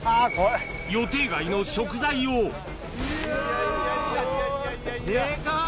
予定外の食材を・いや・デカっ。